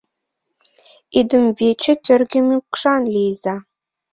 Идымвече кӧргӧ мӱкшан лийза!